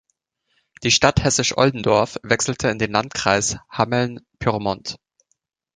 Die Stadt Hessisch Oldendorf wechselte in den Landkreis Hameln-Pyrmont.